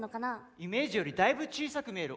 イメージよりだいぶ小さく見える。